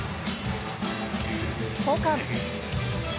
交換。